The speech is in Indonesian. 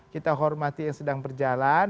kita hormati yang sedang berjalan